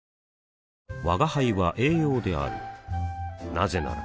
なぜなら